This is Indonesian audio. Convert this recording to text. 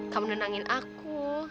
kamu nenangin aku